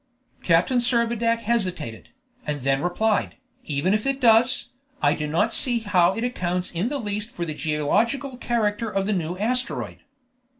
Captain Servadac hesitated, and then replied, "Even if it does, I do not see how it accounts in the least for the geological character of the new asteroid."